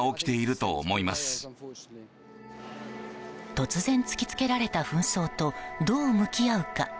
突然、突き付けられた紛争とどう向き合うか。